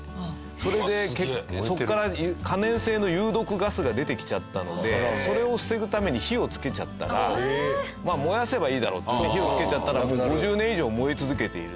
それでそこから可燃性の有毒ガスが出てきちゃったのでそれを防ぐために火をつけちゃったら燃やせばいいだろうって火をつけちゃったら５０年以上燃え続けている。